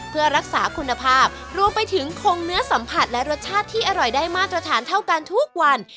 เพื่อรักษาคุณภาพรวมไปถึงคงเนื้อสัมผัสและรสชาติที่อร่อยได้มาตรฐานเท่ากันทุกวัน